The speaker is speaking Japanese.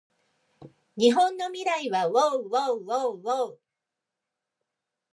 日本の未来はうぉううぉううぉううぉう